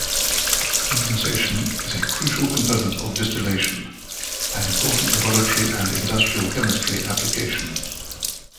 Condensation is a crucial component of distillation, an important laboratory and industrial chemistry application.